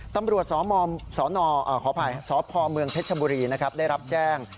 ตำรวจสพเผชมบุรีได้รับแจ้ง